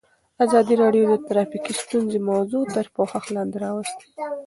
ازادي راډیو د ټرافیکي ستونزې موضوع تر پوښښ لاندې راوستې.